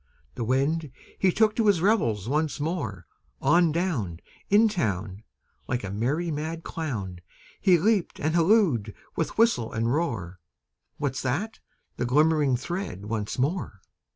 The Wind, he took to his revels once more; On down In town, Like a merry mad clown, He leaped and hallooed with whistle and roar, "What's that?" The glimmering thread once more!